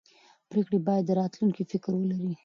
پرېکړې باید د راتلونکي فکر ولري